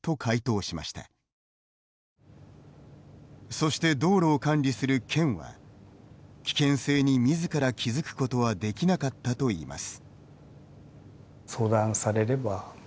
そして、道路を管理する県は危険性にみずから気付くことはできなかったといいます。